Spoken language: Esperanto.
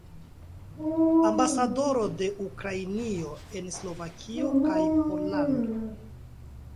Ambasadoro de Ukrainio en Slovakio kaj Pollando.